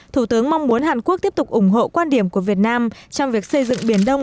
thủ tướng mong muốn hàn quốc tiếp tục ủng hộ quan điểm của việt nam trong việc xây dựng biển đông